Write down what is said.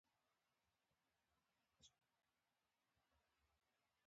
کله چې تاسو مبارزه کوئ دا په دې معنا ده.